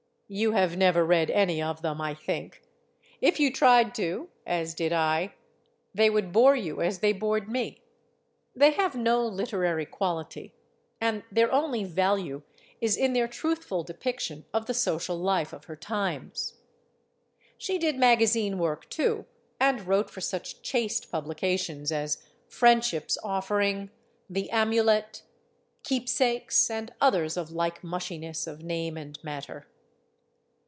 You have never read any of them, I think. If you tried to, as did I, they would bore you as they bored me. They have no literary quality; and their only value is in their truthful depiction of the social life of her times. She did magazine work, too, and wrote for such chaste publications as Friendship's Offering, The Amu let, Keepsakes, and others of like mushiness of name and matter.